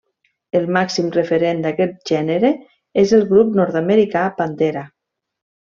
El màxim referent d'aquest gènere és el grup nord-americà Pantera.